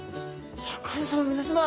シャーク香音さま皆さま